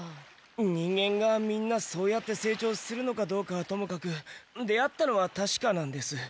人間がみんなそうやって成長するのかどうかはともかく出会ったのはたしかなんです。